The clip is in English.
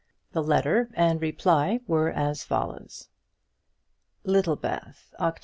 The letter and reply were as follows: Littlebath, Oct.